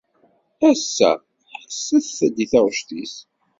Ass-a, ḥesset-d i taɣect-is.